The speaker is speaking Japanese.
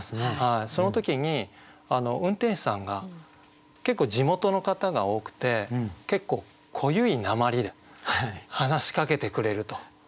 その時に運転手さんが結構地元の方が多くて結構濃ゆい訛で話しかけてくれると。